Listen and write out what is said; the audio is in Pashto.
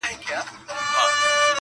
ما وعده د بل دیدار درنه غوښتلای!.